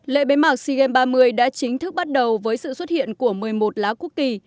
lễ bế mạc sea games ba mươi đã chính thức bắt đầu với sự xuất hiện của một mươi một lá quốc kỳ